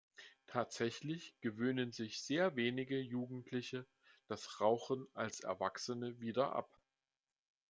Tatsächlich gewöhnen sich sehr wenige Jugendliche das Rauchen als Erwachsene wieder ab.